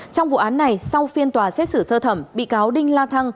trong vụ án này sau phiên tòa xét xử sơ thẩm bị cáo đinh la thăng